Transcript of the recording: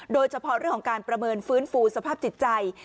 โดยเฉพาะเรื่องของการประเมินฟื้นฟูสภาพจิตใจ